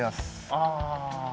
ああ。